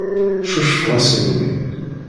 Cucfeɣ-as i mmi.